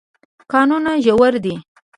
کانونه ژور دي.